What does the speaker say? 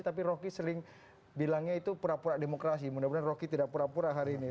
tapi rocky sering bilangnya itu pura pura demokrasi mudah mudahan roky tidak pura pura hari ini